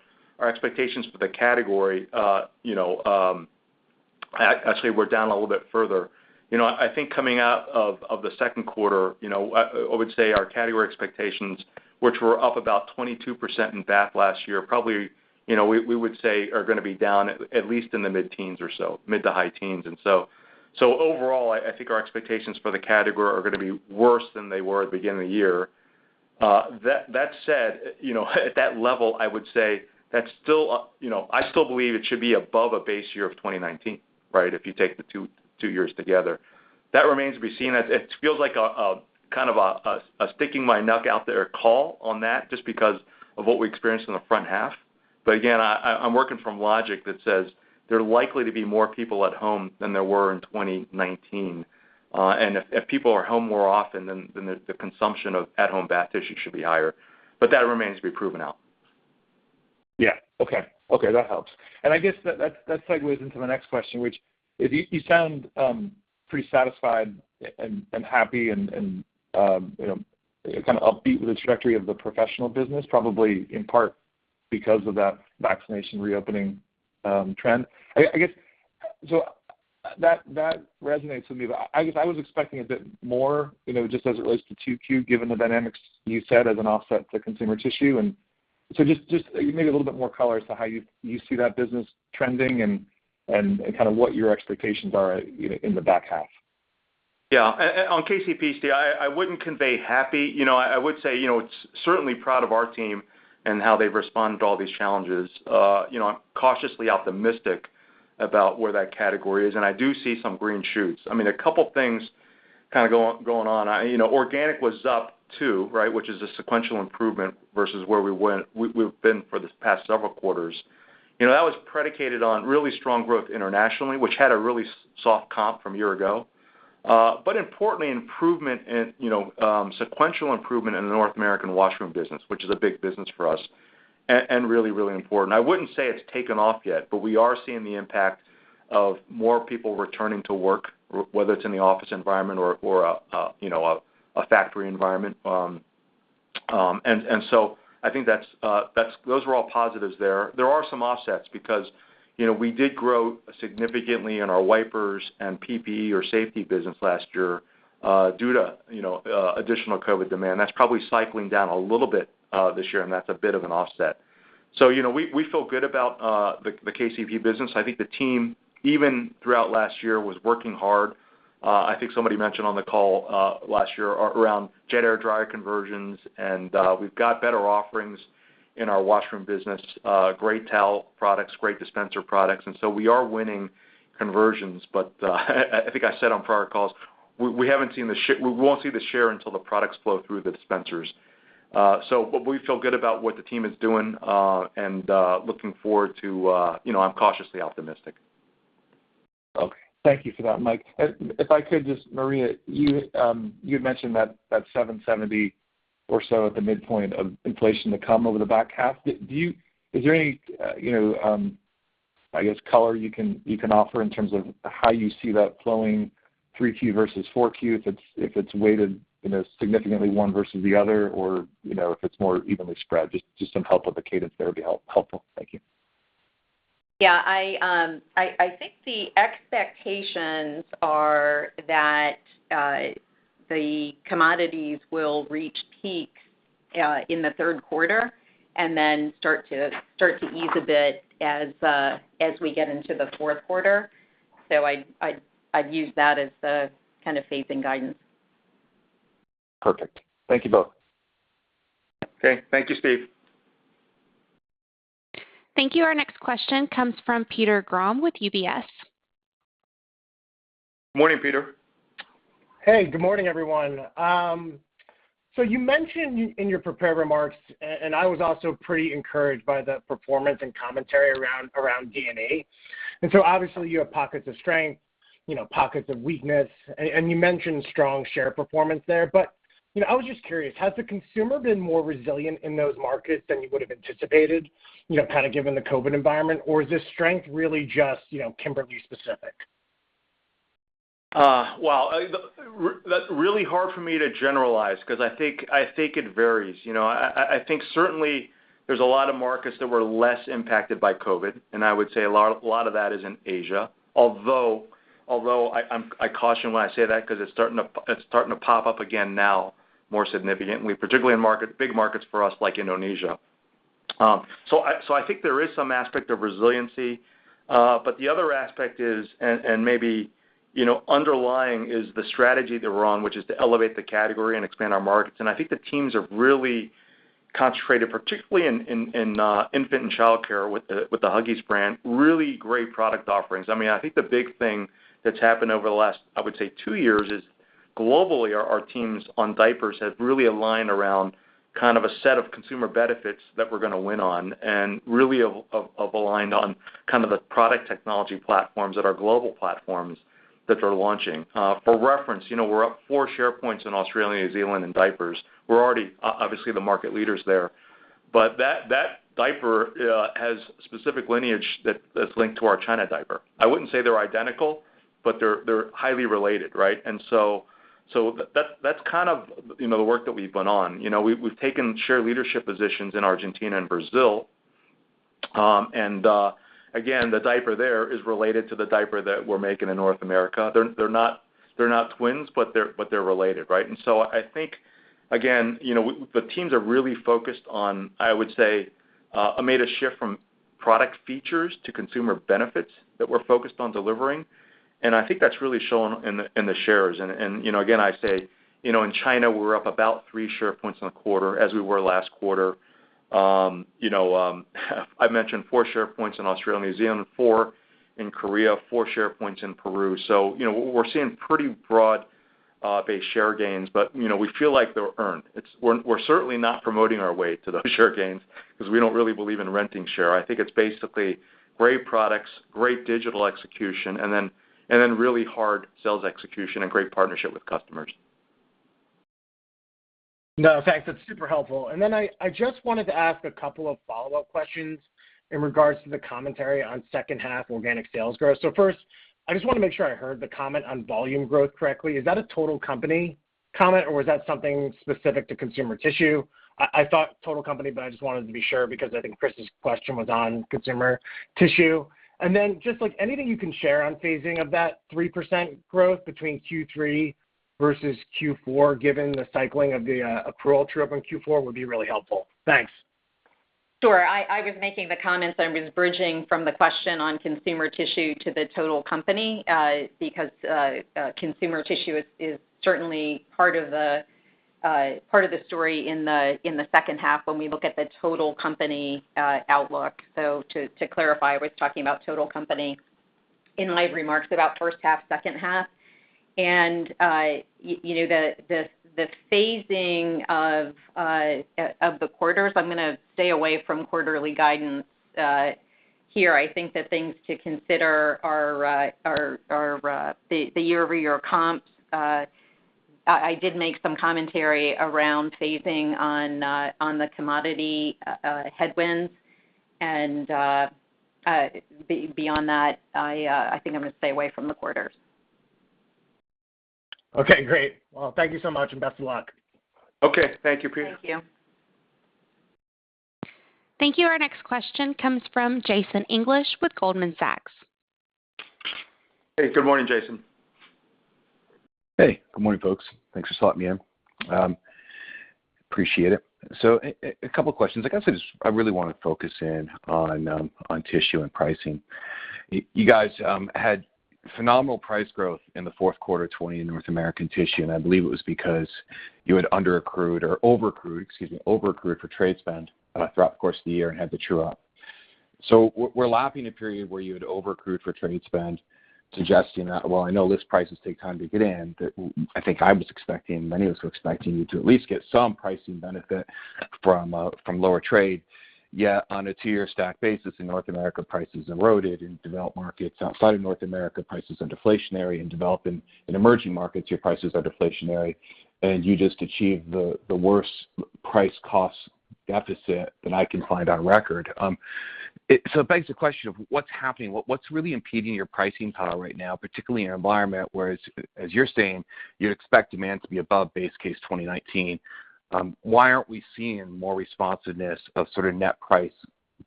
expectations for the category, actually, were down a little bit further. I think coming out of the second quarter, I would say our category expectations, which were up about 22% in bath last year, probably, we would say are going to be down at least in the mid-teens or so, mid to high teens. Overall, I think our expectations for the category are going to be worse than they were at the beginning of the year. That said, at that level, I would say I still believe it should be above a base year of 2019, right, if you take the two years together. That remains to be seen. It feels like kind of a sticking-my-neck-out-there call on that, just because of what we experienced in the front half. Again, I'm working from logic that says there are likely to be more people at home than there were in 2019. If people are home more often, then the consumption of at-home bath tissue should be higher, but that remains to be proven out. Yeah. Okay. That helps. I guess that segues into the next question, which is, you sound pretty satisfied and happy and kind of upbeat with the trajectory of the professional business, probably in part because of that vaccination reopening trend. I guess that resonates with me, but I guess I was expecting a bit more, just as it relates to 2Q, given the dynamics you said as an offset to consumer tissue. Just maybe a little bit more color as to how you see that business trending and what your expectations are in the back half. Yeah. On KCP, Steve, I wouldn't convey happy. I would say, certainly proud of our team and how they've responded to all these challenges. I'm cautiously optimistic about where that category is, and I do see some green shoots. A couple things kind of going on. Organic was up, too, which is a sequential improvement versus where we've been for the past several quarters. That was predicated on really strong growth internationally, which had a really soft comp from a year ago. Importantly, sequential improvement in the North American washroom business, which is a big business for us, and really, really important. I wouldn't say it's taken off yet, but we are seeing the impact of more people returning to work, whether it's in the office environment or a factory environment. I think those were all positives there. There are some offsets because we did grow significantly in our wipers and PPE or safety business last year, due to additional COVID demand. That's probably cycling down a little bit this year, and that's a bit of an offset. We feel good about the KCP business. I think the team, even throughout last year, was working hard. I think somebody mentioned on the call last year around jet air dryer conversions, and we've got better offerings in our washroom business. Great towel products, great dispenser products. We are winning conversions. I think I said on prior calls, we won't see the share until the products flow through the dispensers. We feel good about what the team is doing, and I'm cautiously optimistic. Okay. Thank you for that, Mike. If I could just, Maria, you had mentioned that 770 or so at the midpoint of inflation to come over the back half. Is there any, I guess, color you can offer in terms of how you see that flowing 3Q versus 4Q, if it's weighted significantly one versus the other, or if it's more evenly spread? Just some help with the cadence there would be helpful. Thank you. Yeah. I think the expectations are that the commodities will reach peak in the third quarter and then start to ease a bit as we get into the fourth quarter. I'd use that as the kind of phasing guidance. Perfect. Thank you both. Okay. Thank you, Steve. Thank you. Our next question comes from Peter Grom with UBS. Morning, Peter. Hey, good morning, everyone. You mentioned in your prepared remarks, and I was also pretty encouraged by the performance and commentary around D&E. Obviously, you have pockets of strength, pockets of weakness, and you mentioned strong share performance there. I was just curious, has the consumer been more resilient in those markets than you would have anticipated, kind of given the COVID environment? Is this strength really just Kimberly-specific? Well, that's really hard for me to generalize because I think it varies. I think certainly there's a lot of markets that were less impacted by COVID, and I would say a lot of that is in Asia. I caution when I say that because it's starting to pop up again now more significantly, particularly in big markets for us like Indonesia. I think there is some aspect of resiliency. The other aspect is, and maybe underlying, is the strategy that we're on, which is to elevate the category and expand our markets. I think the teams have really concentrated, particularly in infant and childcare with the Huggies brand, really great product offerings. I think the big thing that's happened over the last, I would say, two years is globally, our teams on diapers have really aligned around kind of a set of consumer benefits that we're going to win on, and really have aligned on the product technology platforms that are global platforms that they're launching. For reference, we're up four share points in Australia and New Zealand in diapers. We're already obviously the market leaders there. That diaper has specific lineage that's linked to our China diaper. I wouldn't say they're identical, but they're highly related, right? That's kind of the work that we've been on. We've taken share leadership positions in Argentina and Brazil. Again, the diaper there is related to the diaper that we're making in North America. They're not twins, but they're related, right? I think, again, the teams are really focused on, I would say, have made a shift from product features to consumer benefits that we're focused on delivering. I think that's really shown in the shares. Again, I say, in China, we're up about three share points in a quarter as we were last quarter. I mentioned four share points in Australia and New Zealand, four in Korea, four share points in Peru. We're seeing pretty broad-based share gains, but we feel like they're earned. We're certainly not promoting our way to those share gains because we don't really believe in renting share. I think it's basically great products, great digital execution, and then really hard sales execution and great partnership with customers. No, thanks. That's super helpful. Then I just wanted to ask a couple of follow-up questions in regards to the commentary on second half organic sales growth. First, I just want to make sure I heard the comment on volume growth correctly. Is that a total company comment, or was that something specific to consumer tissue? I thought total company, but I just wanted to be sure because I think Chris's question was on consumer tissue. Then, just anything you can share on phasing of that 3% growth between Q3 versus Q4, given the cycling of the accrual true-up in Q4, would be really helpful. Thanks. Sure. I was making the comments, I was bridging from the question on consumer tissue to the total company, because consumer tissue is certainly part of the story in the second half when we look at the total company outlook. To clarify, I was talking about total company in my remarks about first half, second half. The phasing of the quarters, I'm going to stay away from quarterly guidance here. I think the things to consider are the year-over-year comps. I did make some commentary around phasing on the commodity headwinds, and beyond that, I think I'm going to stay away from the quarters. Okay, great. Well, thank you so much. Best of luck. Okay. Thank you, Peter. Thank you. Thank you. Our next question comes from Jason English with Goldman Sachs. Hey, good morning, Jason. Hey, good morning, folks. Thanks for slotting me in. Appreciate it. A couple questions. I guess I just really want to focus in on tissue and pricing. You guys had phenomenal price growth in the fourth quarter 2020 in North American tissue. I believe it was because you had over-accrued for trade spend throughout the course of the year and had to true up. We're lapping a period where you had over-accrued for trade spend, suggesting that, while I know list prices take time to get in, that I think I was expecting, many of us were expecting you to at least get some pricing benefit from lower trade. On a two-year stack basis, in North America, prices eroded in developed markets. Outside of North America, prices are deflationary. In developing and emerging markets, your prices are deflationary, and you just achieved the worst price-cost deficit that I can find on record. It begs the question of what's happening, what's really impeding your pricing power right now, particularly in an environment where, as you're saying, you expect demand to be above base case 2019? Why aren't we seeing more responsiveness of sort of net price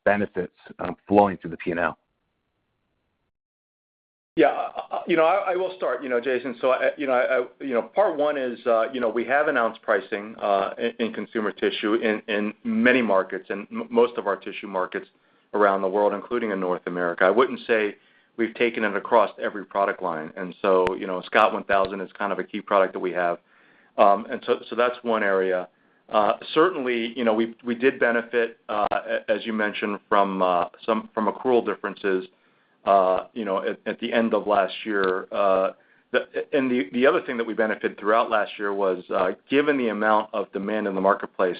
benefits flowing through the P&L? I will start, Jason. Part one is, we have announced pricing in consumer tissue in many markets and most of our tissue markets around the world, including in North America. I wouldn't say we've taken it across every product line. Scott 1000 is kind of a key product that we have. That's one area. Certainly, we did benefit, as you mentioned, from accrual differences at the end of last year. The other thing that we benefited throughout last year was, given the amount of demand in the marketplace,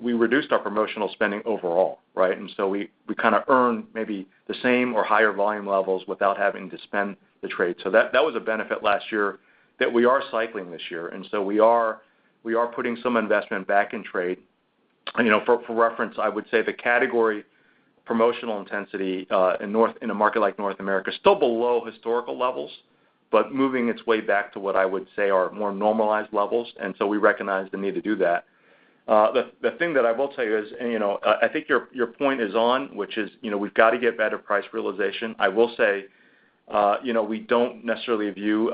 we reduced our promotional spending overall, right? That was a benefit last year that we are cycling this year, and so we are putting some investment back in trade. For reference, I would say the category promotional intensity in a market like North America is still below historical levels, but moving its way back to what I would say are more normalized levels. We recognize the need to do that. The thing that I will tell you is, I think your point is on, which is, we've got to get better price realization. I will say, we don't necessarily view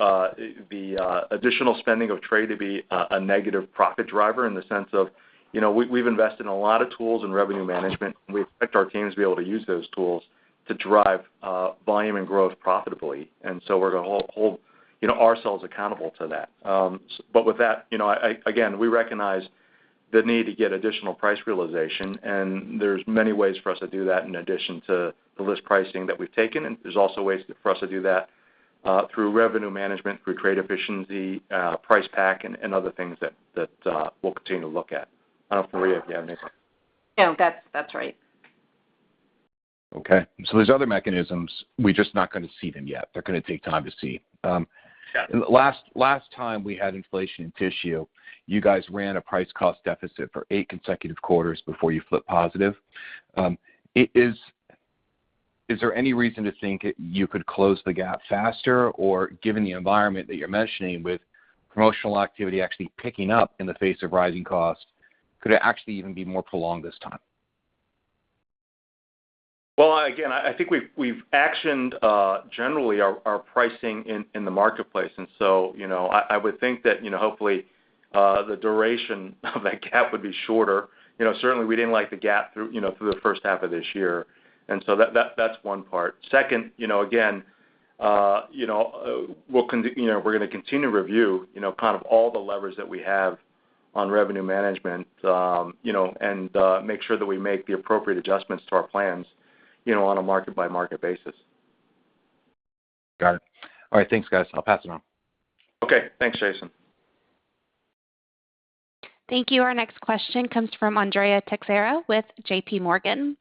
the additional spending of trade to be a negative profit driver in the sense of, we've invested in a lot of tools and revenue management, and we expect our teams to be able to use those tools to drive volume and growth profitably. We're going to hold ourselves accountable to that. With that, again, we recognize the need to get additional price realization, and there's many ways for us to do that in addition to the list pricing that we've taken. There's also ways for us to do that through revenue management, through trade efficiency, price pack, and other things that we'll continue to look at. I don't know, Maria, if you have anything. No, that's right. Okay. These other mechanisms, we're just not going to see them yet. They're going to take time to see. Yeah. Last time we had inflation in tissue, you guys ran a price-cost deficit for eight consecutive quarters before you flipped positive. Is there any reason to think you could close the gap faster or, given the environment that you're mentioning with promotional activity actually picking up in the face of rising costs, could it actually even be more prolonged this time? Well, again, I think we've actioned, generally, our pricing in the marketplace. I would think that hopefully, the duration of that gap would be shorter. Certainly, we didn't like the gap through the first half of this year. That's one part. Second, again, we're going to continue to review all the levers that we have on revenue management, and make sure that we make the appropriate adjustments to our plans on a market-by-market basis. Got it. All right, thanks guys. I'll pass it on. Okay. Thanks, Jason. Thank you. Our next question comes from Andrea Teixeira with JPMorgan.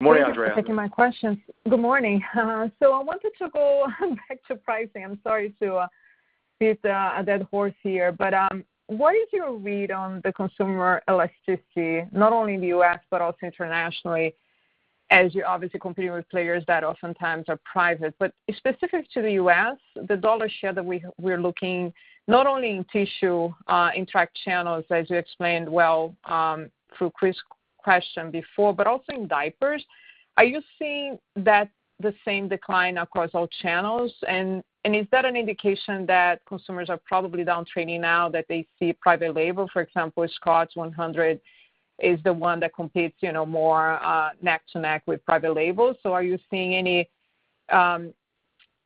Morning, Andrea. Thanks for taking my questions. Good morning. I wanted to go back to pricing. I'm sorry to beat a dead horse here, but what is your read on the consumer elasticity, not only in the U.S., but also internationally, as you're obviously competing with players that oftentimes are private? Specific to the U.S., the dollar shares that we're looking, not only in tissue, in tracked channels, as you explained well through Chris' question before, but also in diapers, are you seeing the same decline across all channels? Is that an indication that consumers are probably downtrending now that they see private label? For example, Scott 1000 is the one that competes more neck to neck with private labels. Are you seeing any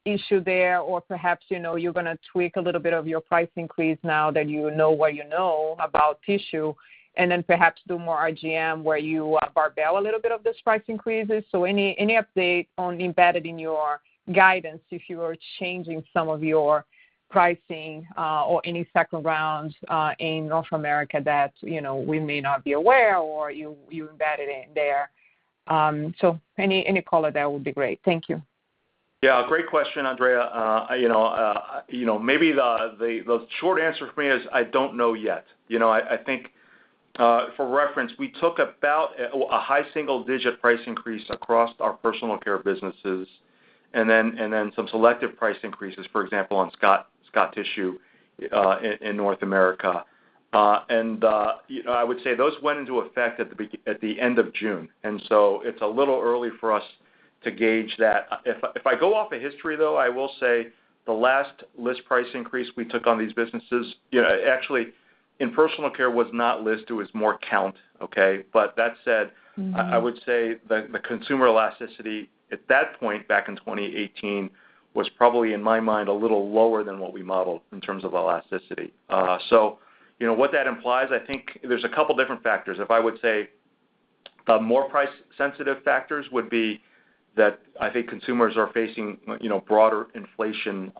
issue there? Perhaps, you're going to tweak a little bit of your price increase now that you know what you know about tissue, and then perhaps do more RGM where you barbell a little bit of this price increases? Any update on, embedded in your guidance, if you are changing some of your pricing, or any second rounds in North America that we may not be aware of, or you embed it in there? Any color there would be great. Thank you. Yeah. Great question, Andrea. Maybe the short answer for me is I don't know yet. I think, for reference, we took about a high single-digit price increase across our personal care businesses and then some selective price increases, for example, on Scott tissue in North America. I would say those went into effect at the end of June, and so it's a little early for us to gauge that. If I go off of history, though, I will say the last list price increase we took on these businesses, actually, in personal care, was not list, it was more count. Okay? That said. I would say the consumer elasticity at that point, back in 2018, was probably, in my mind, a little lower than what we modeled in terms of elasticity. What that implies, I think there's a couple different factors. If I would say more price-sensitive factors would be that I think consumers are facing broader inflation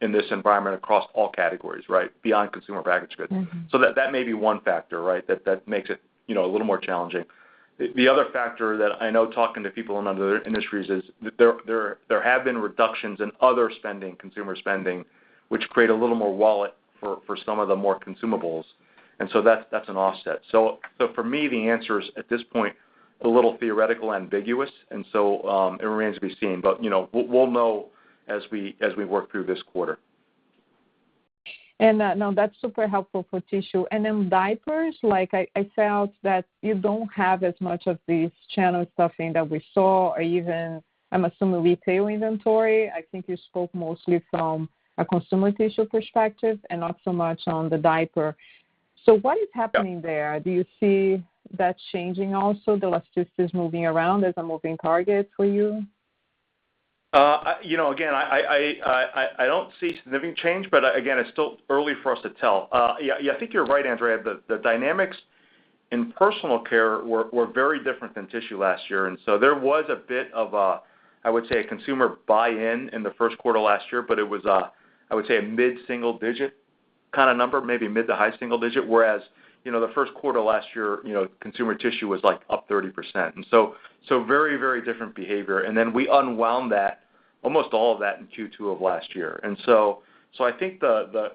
in this environment across all categories, beyond consumer packaged goods. That may be one factor that makes it a little more challenging. The other factor that I know, talking to people in other industries, is there have been reductions in other consumer spending, which create a little more wallet for some of the more consumables. That's an offset. For me, the answer is, at this point, a little theoretical ambiguous, and so it remains to be seen. We'll know as we work through this quarter. No, that's super helpful for tissue. Then diapers, I felt that you don't have as much of these channel stuffing that we saw, or even, I'm assuming, retail inventory. I think you spoke mostly from a consumer tissue perspective and not so much on the diaper. What is happening there? Do you see that changing also, the elasticity is moving around as a moving target for you? Again, I don't see significant change, but again, it's still early for us to tell. Yeah, I think you're right, Andrea. The dynamics in personal care were very different than tissue last year, and so there was a bit of a, I would say, a consumer buy-in in the first quarter of last year, but it was, I would say, a mid single-digit kind of number, maybe mid to high single-digit. Whereas the first quarter of last year, consumer tissue was up 30%. Very different behavior. We unwound almost all of that in Q2 of last year. I think the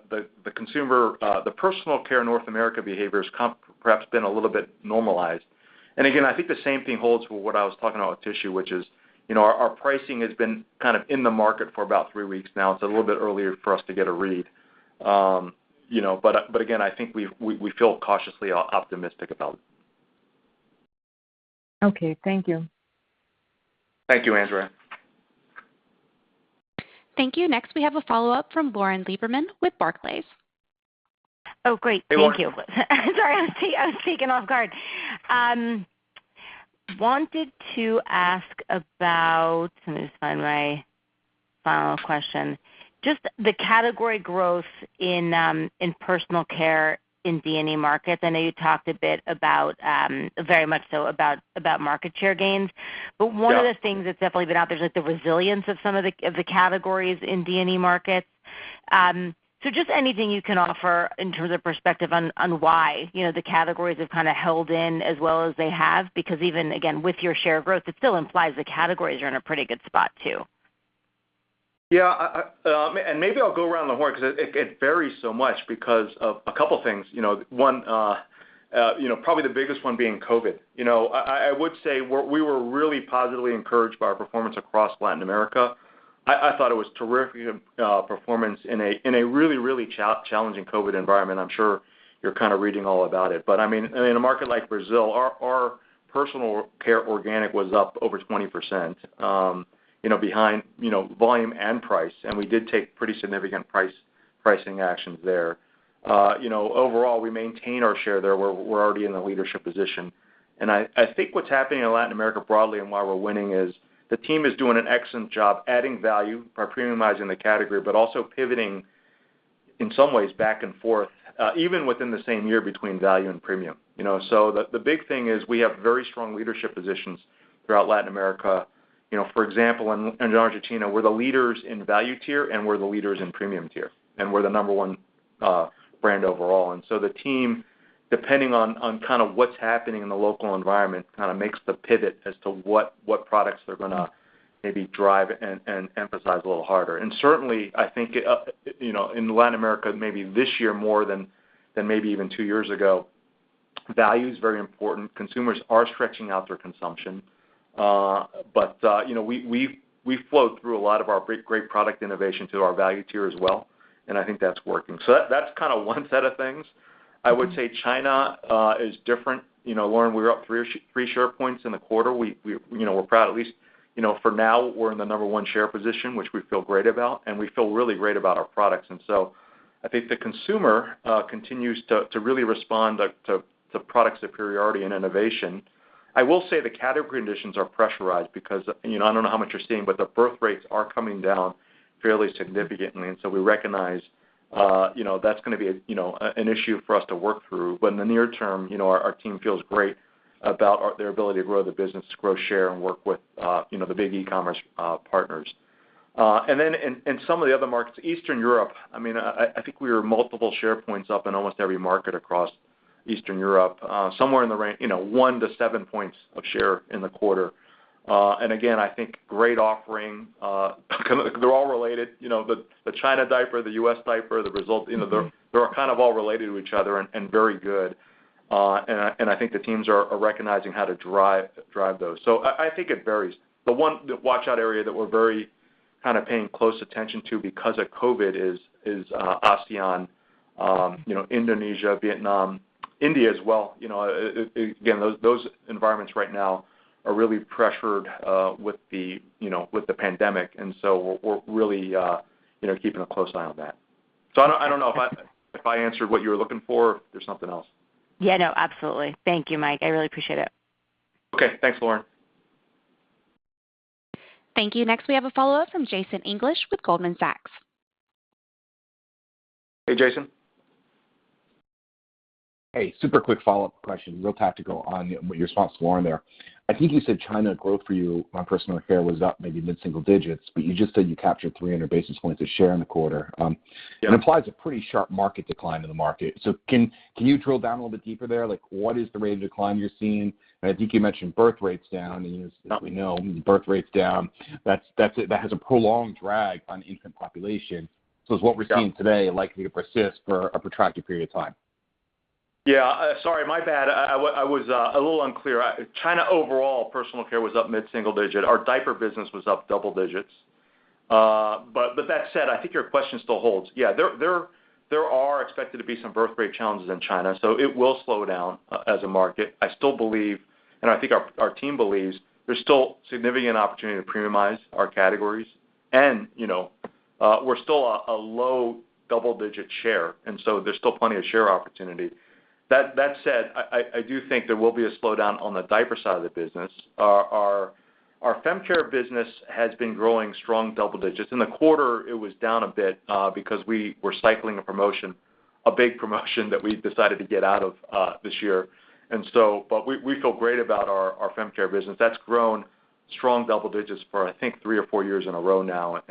personal care North America behavior has perhaps been a little bit normalized. Again, I think the same thing holds for what I was talking about with tissue, which is our pricing has been kind of in the market for about three weeks now, so a little bit earlier for us to get a read. Again, I think we feel cautiously optimistic about it. Okay. Thank you. Thank you, Andrea. Thank you. Next, we have a follow-up from Lauren Lieberman with Barclays. Oh, great. Thank you. Hey, Lauren. Sorry, I was taken off guard. Let me just find my final question. Just the category growth in personal care in D&E markets. I know you talked a bit about, very much so about market share gains. Yeah. One of the things that's definitely been out there is the resilience of some of the categories in D&E markets. Just anything you can offer in terms of perspective on why the categories have kind of held in as well as they have. Even, again, with your share of growth, it still implies the categories are in a pretty good spot, too. Yeah. Maybe I'll go around the horn, because it varies so much because of a couple of things. One, probably the biggest one being COVID. I would say we were really positively encouraged by our performance across Latin America. I thought it was a terrific performance in a really challenging COVID environment. I'm sure you're kind of reading all about it. In a market like Brazil, our personal care organic was up over 20%, behind volume and price, and we did take pretty significant pricing actions there. Overall, we maintain our share there. We're already in the leadership position. I think what's happening in Latin America broadly and why we're winning is the team is doing an excellent job adding value by premiumizing the category, but also pivoting, in some ways, back and forth, even within the same year, between value and premium. The big thing is we have very strong leadership positions throughout Latin America. For example, in Argentina, we're the leaders in value tier, and we're the leaders in premium tier, and we're the number one brand overall. The team, depending on kind of what's happening in the local environment, kind of makes the pivot as to what products they're going to maybe drive and emphasize a little harder. Certainly, I think in Latin America, maybe this year more than maybe even two years ago, value is very important. Consumers are stretching out their consumption. We flow through a lot of our great product innovation through our value tier as well. I think that's working. That's kind of one set of things. I would say China is different. Lauren, we were up 3 share points in the quarter. We're proud, at least for now, we're in the number one share position, which we feel great about. We feel really great about our products. I think the consumer continues to really respond to product superiority and innovation. I will say the category conditions are pressurized because, I don't know how much you're seeing. The birth rates are coming down fairly significantly. We recognize that's going to be an issue for us to work through. In the near term, our team feels great about their ability to grow the business, to grow share, and work with the big e-commerce partners. In some of the other markets, Eastern Europe, I think we are multiple share points up in almost every market across Eastern Europe, somewhere in the range, 1-7 points of share in the quarter. Again, I think great offering. They're all related, the China diaper, the U.S. diaper, the result, they're kind of all related to each other and very good. I think the teams are recognizing how to drive those. I think it varies. The one watch-out area that we're very kind of paying close attention to because of COVID is ASEAN, Indonesia, Vietnam, India as well. Those environments right now are really pressured with the pandemic, and so we're really keeping a close eye on that. I don't know if I answered what you were looking for or if there's something else. Yeah, no, absolutely. Thank you, Mike. I really appreciate it. Okay. Thanks, Lauren. Thank you. Next, we have a follow-up from Jason English with Goldman Sachs. Hey, Jason. Hey, super quick follow-up question, real tactical, on your response to Lauren there. I think you said China growth for you on personal care was up maybe mid-single digits, but you just said you captured 300 basis points of share in the quarter. Yeah. It implies a pretty sharp market decline in the market. Can you drill down a little bit deeper there? What is the rate of decline you're seeing? I think you mentioned birth rate's down, and as we know, birth rate's down. That has a prolonged drag on infant population. Is what we're seeing today likely to persist for a protracted period of time? Sorry, my bad. I was a little unclear. China overall, personal care was up mid single-digit. Our diaper business was up double-digits. That said, I think your question still holds. There are expected to be some birthrate challenges in China, so it will slow down as a market. I still believe, and I think our team believes, there's still a significant opportunity to premiumize our categories. We're still a low double-digit share, and so there's still plenty of share opportunity. That said, I do think there will be a slowdown on the diaper side of the business. Our fem care business has been growing strong double-digits. In the quarter, it was down a bit because we were cycling a promotion, a big promotion that we decided to get out of this year. We feel great about our fem care business. That's grown strong double digits for, I think, three or four years in a row now.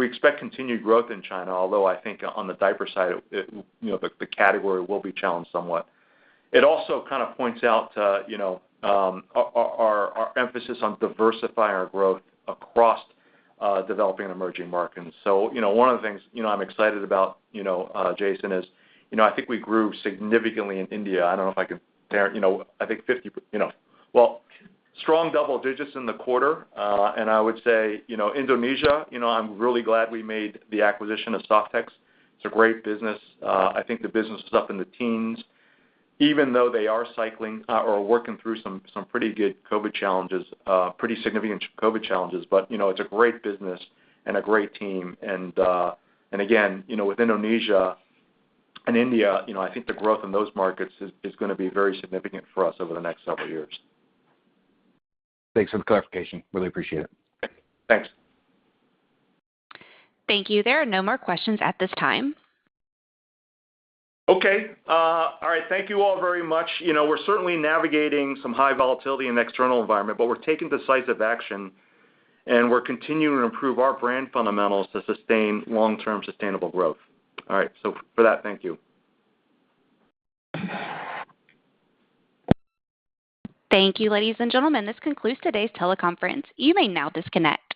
We expect continued growth in China, although I think on the diaper side, the category will be challenged somewhat. It also kind of points out our emphasis on diversifying our growth across Developing & Emerging markets. One of the things I'm excited about, Jason, is I think we grew significantly in India. Well, strong double digits in the quarter. I would say, Indonesia, I'm really glad we made the acquisition of Softex. It's a great business. I think the business is up in the teens, even though they are cycling or working through some pretty good COVID challenges, pretty significant COVID challenges. It's a great business and a great team, and again, with Indonesia and India, I think the growth in those markets is going to be very significant for us over the next several years. Thanks for the clarification. Really appreciate it. Thanks. Thank you. There are no more questions at this time. Okay. All right. Thank you all very much. We're certainly navigating some high volatility in the external environment, but we're taking decisive action, and we're continuing to improve our brand fundamentals to sustain long-term sustainable growth. All right, for that, thank you. Thank you, ladies and gentlemen. This concludes today's teleconference. You may now disconnect.